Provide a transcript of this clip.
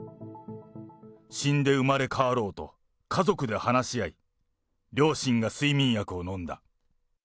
死んで生まれ変わろうと、家族で話し合い、両親が睡眠薬を飲んだ。